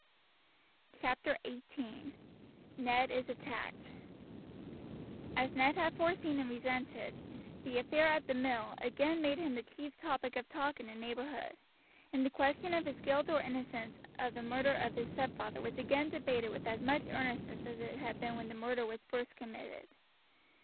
CHAPTER XVIII: NED IS ATTACKED As Ned had foreseen and resented, the affair at the mill again made him the chief topic of talk in the neighborhood, and the question of his guilt or innocence of the murder of his stepfather was again debated with as much earnestness as it had been when the murder was first committed.